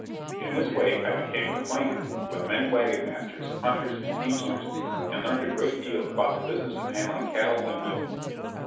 In this way I became acquainted with many wagon masters, hunters and teamsters, and learned a great deal about the business of handling cattle and mules.